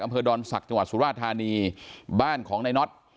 อำเภอดอนศักดิ์จังหวัดสุราธานีบ้านของนายน็อต